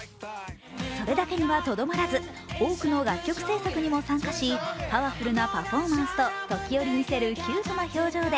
それだけにはとどまらず、多くの楽曲制作にも参加し、パワフルなパフォーマンスと時折見せるキュートな表情で